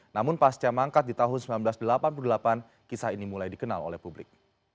namun pasca mangkat di tahun seribu sembilan ratus delapan puluh delapan kisah ini mulai dikenal oleh publik